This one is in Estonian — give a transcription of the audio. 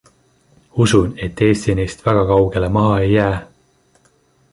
Usun, et Eesti neist väga kaugele maha ei jää.